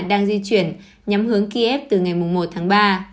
đang di chuyển nhắm hướng kiev từ ngày một tháng ba